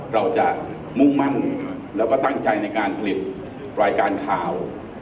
เราจะมุ่งมั่นแล้วก็ตั้งใจในการผลิตรายการข่าว